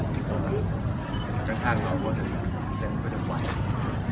ข้างเงาะมีเส้นก็จะไหว